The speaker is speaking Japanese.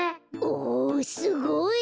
おおすごい。